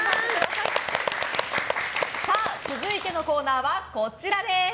続いてのコーナーはこちらです。